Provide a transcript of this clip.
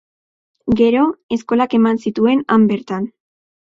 Gero, eskolak eman zituen han bertan.